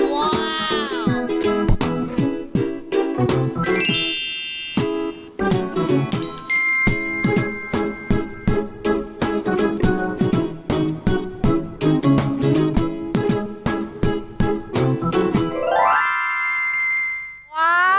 ว้าว